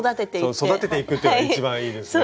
そう育てていくっていうのがいちばんいいですね。